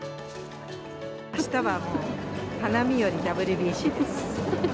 あしたは花見よりＷＢＣです。